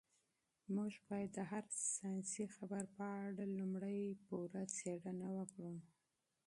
موږ باید د هر ساینسي خبر په اړه لومړی پوره تحقیق وکړو.